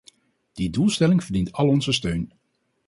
Die doelstelling verdient al onze steun.